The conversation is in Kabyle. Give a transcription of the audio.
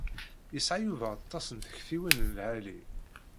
Yesɛa Yuba aṭas n tektiwin n lɛali.